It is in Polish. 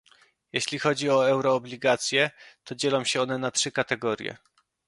Jeśli chodzi o euroobligacje, to dzielą się one na trzy kategorie